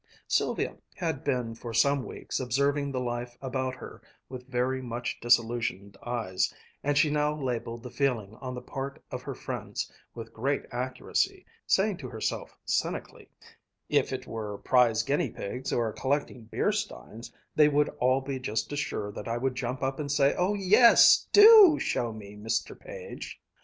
Sylvia had been for some weeks observing the life about her with very much disillusioned eyes and she now labeled the feeling on the part of her friends with great accuracy, saying to herself cynically, "If it were prize guinea pigs or collecting beer steins, they would all be just as sure that I would jump up and say, 'Oh yes, do show me, Mr. Page!'"